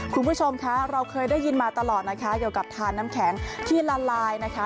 คุณผู้ชมคะเราเคยได้ยินมาตลอดนะคะเกี่ยวกับทานน้ำแข็งที่ละลายนะคะ